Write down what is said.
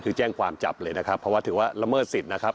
คือแจ้งความจับเลยนะครับเพราะว่าถือว่าละเมิดสิทธิ์นะครับ